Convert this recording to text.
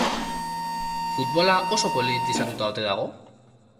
Futbola oso politizatuta ote dago?